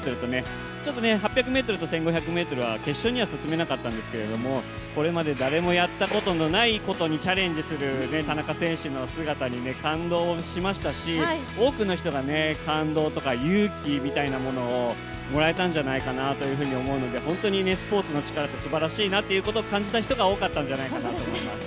まあ８００ｍは決勝には進めなかったんですけれども、これまで誰もやったことのないことにチャレンジする田中選手の姿に感動しましたし、多くの人が感動とか勇気みたいなものをもらえたんじゃないかなと思うので本当にスポーツのチカラってすばらしいなっていうことを感じた人が多かったんじゃないかなと思います。